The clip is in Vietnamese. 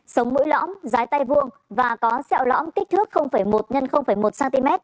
sống mũi lõm dưới tay vuông và có sẹo lõm kích thước một x một cm